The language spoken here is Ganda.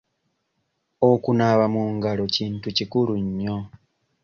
Okunaaba mu ngalo kintu kikulu nnyo.